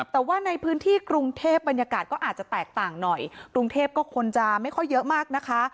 แต่ว่าในพื้นที่กรุงเทพบรรยากาศก็อาจจะแตกต่างหน่อยกรุงเทพก็คนจะไม่ค่อยเยอะมากนะคะ